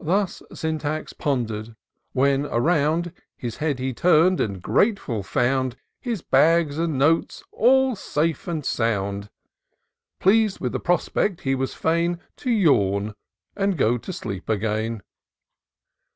Thus Syntax ponder'd — when around His head he tum'd, and grateful foimd His bags and notes all safe and sound : Pleas'd with the prospect, he was fain To yawn, and go to sleep again.